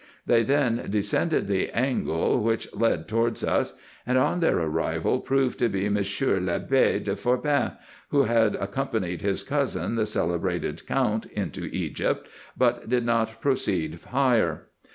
They then descended the angle which led towards us ; and on their arrival proved to be Monsieur L'Abbe de Forbin, who had accompanied his cousin, the celebrated Count, into Egypt, but did not proceed higher.